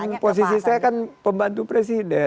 tapi saya kan posisi saya kan pembantu presiden